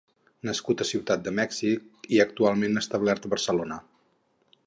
Nascut a Ciutat de Mèxic i actualment establert a Barcelona.